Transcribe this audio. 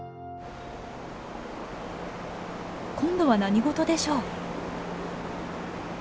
今度は何事でしょう？